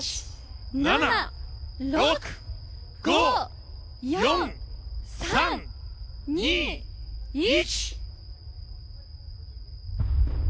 ７、６５、４、３、２、１。